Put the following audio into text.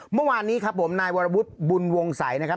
เมื่อวานนี้ครับผมนายวรวุฒิบุญวงศัยนะครับ